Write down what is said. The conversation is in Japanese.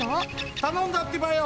たのんだってばよ！